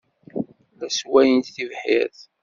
La sswayent tibḥirt.